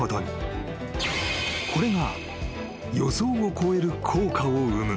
［これが予想を超える効果を生む］